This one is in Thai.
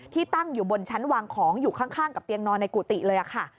ตั้งอยู่บนชั้นวางของอยู่ข้างกับเตียงนอนในกุฏิเลยค่ะ